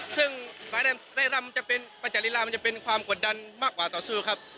ซึ่งจะเป็นประจริลามันจะเป็นความกดดันมากกว่าต่อสู้ครับ